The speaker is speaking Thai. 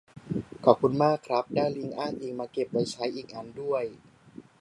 ขอบคุณมากครับ ได้ลิงก์อ้างอิงมาเก็บไว้ใช้อีกอันด้วย